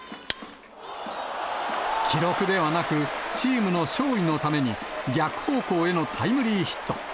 記録ではなく、チームの勝利のために、逆方向へのタイムリーヒット。